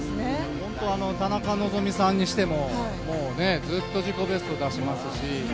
本当田中希実さんにしてもずっと自己ベストを出しますし。